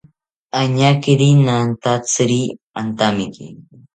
Añakiri nantatziri antamiki